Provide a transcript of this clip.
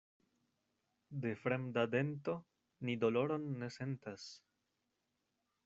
De fremda dento ni doloron ne sentas.